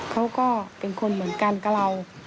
เขาก็เป็นคนเหมือนกันกับเรา